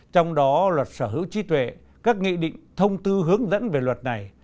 trong đó luật sở hữu trí tuệ các nghị định thông tư hướng dẫn về luật này